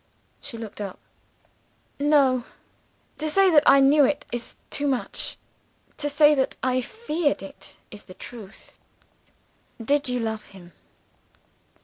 "She looked up. 'No! To say that I knew it is too much. To say that I feared it is the truth.' "'Did you love him?